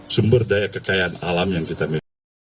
sumber daya kekayaan alam yang kita miliki